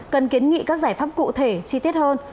cần kiến nghị các giải pháp cụ thể chi tiết hơn